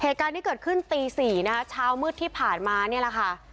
เหตุการณ์ที่เกิดขึ้นตี๔นะคะเช้ามืดที่ผ่านมานี่แหละค่ะ